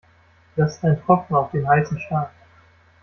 Das ist ein Tropfen auf den heißen Stein.